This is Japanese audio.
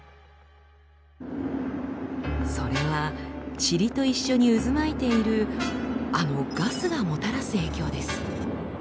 それはチリと一緒に渦巻いているあのガスがもたらす影響です。